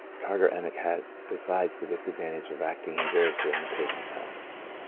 Tartar TREATMENT. 75 emetic has, besides, the disadvantage of acting injuriously on the patient's health.